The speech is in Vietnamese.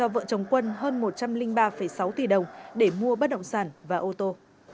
vợ chồng quân hơn một trăm linh ba sáu tỷ đồng để mua bất động sản và ô tô